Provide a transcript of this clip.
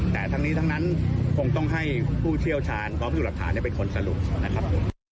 แต่ทั้งนี้ทั้งนั้นคงต้องให้ผู้เชี่ยวชาญเพราะผู้หลักฐานได้ไปค้นสรุปนะครับ